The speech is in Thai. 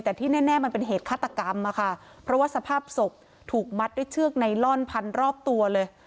แต่ที่แน่มันเป็นเหตุฆาตกรรมอะค่ะเพราะว่าสภาพศพถูกมัดด้วยเชือกไนลอนพันรอบตัวเลย